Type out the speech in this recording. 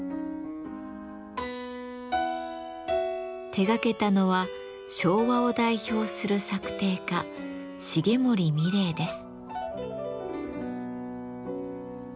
手がけたのは昭和を代表する作庭家重森三玲です。